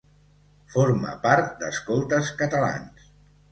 Forma part d'Escoltes Catalans.